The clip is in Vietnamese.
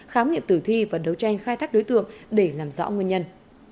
khám nghiệm tử thi và đấu tranh khai thác đối tượng để làm rõ nguyên nhân